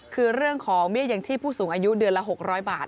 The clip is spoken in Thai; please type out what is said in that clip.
คือเรื่องของเบี้ยยังชีพผู้สูงอายุเดือนละ๖๐๐บาท